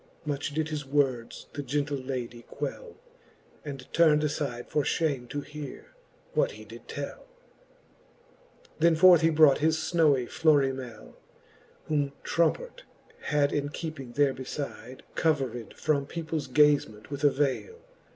Much did his words the gentle ladie quell, And turn'd afide for fhame to heare, what he did tell, XVII. Then forth he brought his fnowy I'lorimele, Whom Trompart had in keeping there befide, Covered from people's gazement with a vele.